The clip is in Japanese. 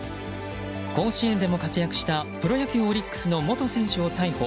甲子園でも活躍したプロ野球オリックスの元選手を逮捕。